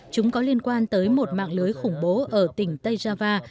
chúng có liên quan tới một mạng lưới khủng bố ở tỉnh tejava